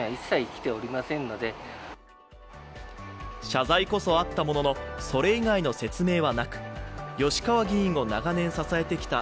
謝罪こそあったもののそれ以外の説明はなく吉川議員を長年支えてきた